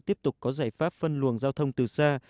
tiếp tục có giải pháp phân luồng giao thông từ xa